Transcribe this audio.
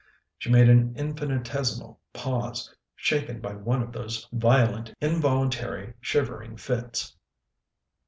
She made an infinitesimal pause, shaken by one of those violent, involuntary, shivering fits.